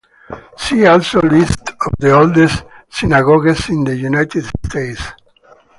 See also List of the oldest synagogues in the United States.